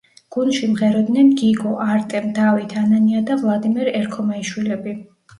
გუნდში მღეროდნენ გიგო, არტემ, დავით, ანანია და ვლადიმერ ერქომაიშვილები.